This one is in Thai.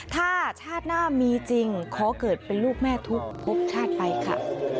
ถ้าชาติหน้ามีจริงขอเกิดเป็นลูกแม่ทุกข์พบชาติไปค่ะ